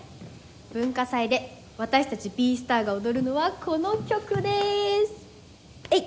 文化祭で私たち「Ｂｅ：ＳＴＡＲ」が踊るのはこの曲ですえい！